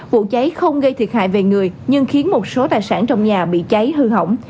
vụ cháy không gây thiệt hại về người nhưng khiến một số tài sản trong nhà bị cháy hư hỏng